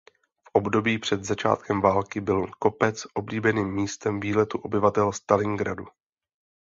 V období před začátkem války byl kopec oblíbeným místem výletů obyvatel Stalingradu.